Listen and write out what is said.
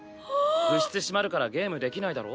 部室閉まるからゲームできないだろ。